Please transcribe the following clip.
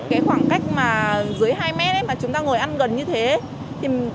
cái khoảng cách mà dưới hai mét mà chúng ta ngồi ăn gần như thế